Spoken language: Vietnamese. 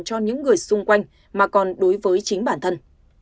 cho những người xung quanh mà còn đối với chính bản thân